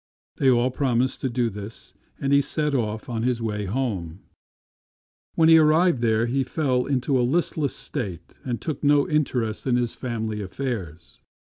They all promised to do this, and he then set off on his way home. When he arrived there, he fell into a listless state and took no FROM A CHINESE STUDIO. 25 interest in his family affairs.